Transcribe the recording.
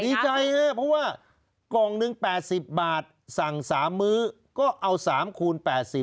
ดีใจครับเพราะว่ากล่องหนึ่ง๘๐บาทสั่ง๓มื้อก็เอา๓คูณ๘๐บาท